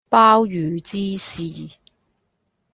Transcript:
鮑魚之肆